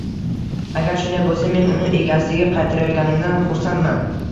Agar shunday bo’lsa, men uni egasiga qaytarayotganimdan xursandman.